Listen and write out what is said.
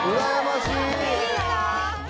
・いいな！